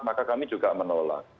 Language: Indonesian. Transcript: maka kami juga menolak